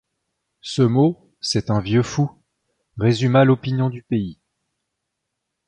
Ce mot: — C’est un vieux fou! résuma l’opinion du pays.